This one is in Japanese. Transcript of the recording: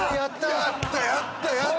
やったやったやった。